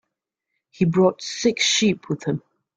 He brought six sheep with him.